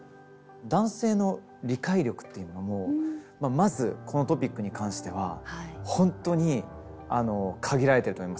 男性の理解力っていうのもまずこのトピックに関しては本当に限られていると思います。